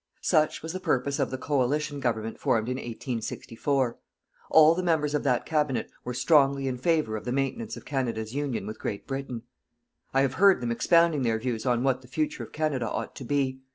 Such was the purpose of the coalition government formed in 1864. All the members of that Cabinet were strongly in favour of the maintenance of Canada's union with Great Britain. I have heard them expounding their views on what the future of Canada ought to be.